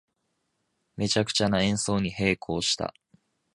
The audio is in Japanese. めちゃくちゃな演奏に閉口した